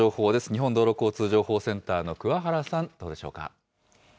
日本道路交通情報センターのくわ原さん、どうでしょうか。